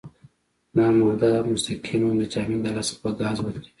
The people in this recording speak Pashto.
دا ماده مستقیماً له جامد حالت څخه په ګاز بدلیږي.